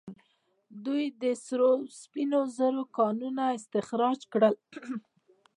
دوی د سرو او سپینو زرو کانونه استخراج کړل